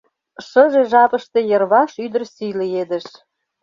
Шыже жапыште йырваш ӱдыр сий лиедыш.